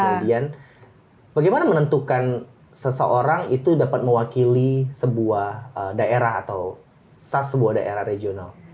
kemudian bagaimana menentukan seseorang itu dapat mewakili sebuah daerah atau sas sebuah daerah regional